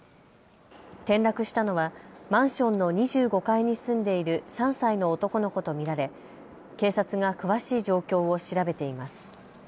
転落したのはマンションの２５階に住んでいる３歳の男の子と見られ、警察が詳しい状況を調べています。